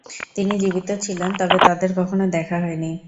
তিনি জীবিত ছিলেন তবে তাদের কখনো দেখা হয়নি।